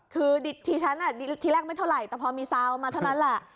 คือที่ฉันทีแรกไม่เท่าไหร่แต่พอมีซาวมาเท่านั้นแหละ